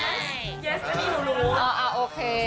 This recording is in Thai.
ถ้ายังไม่ดูรู้อ่ะโอเค